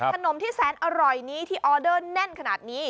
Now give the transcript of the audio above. ขนมที่แสนอร่อยนี้ที่ออเดอร์แน่นขนาดนี้